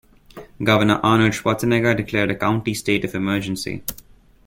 Governor Arnold Schwarzenegger declared a county state of emergency.